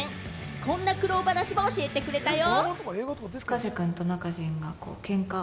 こんな苦労話を教えてくれたよ。